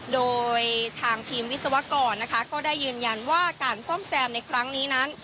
โดยทางทีมวิศวกรนะคะก็ได้ยืนยันว่าการซ่อมแซมในครั้งนี้นั้น